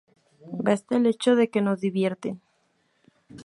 Basta el hecho de que nos divierten.